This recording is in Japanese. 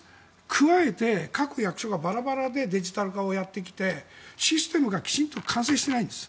加えて、各役所がバラバラでデジタル化をやってきてシステムがきちんと完成していないんです。